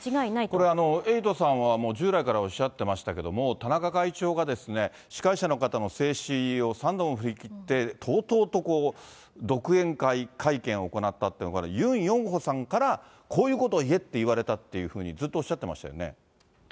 これ、エイトさんは従来からおっしゃってましたけれども、田中会長が司会者の方の制止を３度も振り切って、とうとうと独演会会見を行ったというのは、これ、ユン・ヨンホさんからこういうことを言えって言われたというふうそうですね。